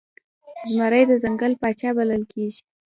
زمری د ځنګل پاچا بلل کیږي